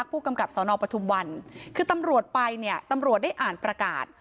ผู้กำกับสนปทุมวันคือตำรวจไปเนี่ยตำรวจได้อ่านประกาศ